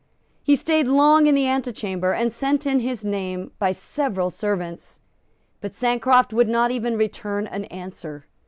He stayed long in the antechamber, and sent in his name by several servants; but Sancroft would not even return an answer.